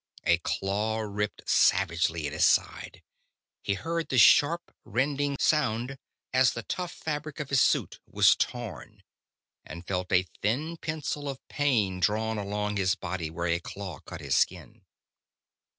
A claw ripped savagely at his side. He heard the sharp, rending sound, as the tough fabric of his suit was torn, and felt a thin pencil of pain drawn along his body, where a claw cut his skin.